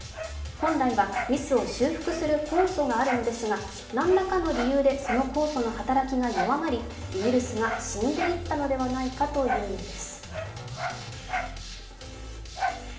本来はミスを修復する酵素があるのですが何らかの理由でその酵素の働きが弱まりウイルスが死んでいったのではないかというのです。